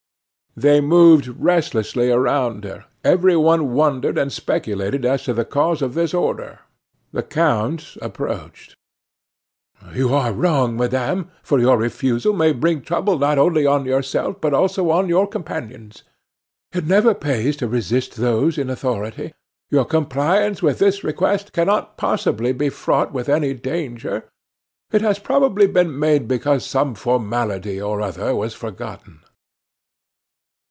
They moved restlessly around her; every one wondered and speculated as to the cause of this order. The count approached: "You are wrong, madame, for your refusal may bring trouble not only on yourself but also on all your companions. It never pays to resist those in authority. Your compliance with this request cannot possibly be fraught with any danger; it has probably been made because some formality or other was forgotten."